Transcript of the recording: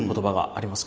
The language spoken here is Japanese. あります。